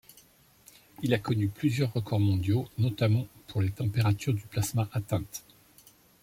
Il a connu plusieurs records mondiaux, notamment pour les températures du plasma atteintes.